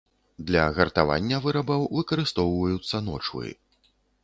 Для гартавання вырабаў выкарыстоўваюцца ночвы.